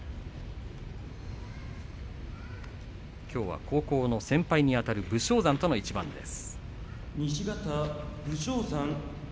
きょうは高校の先輩にあたる武将山との一番です。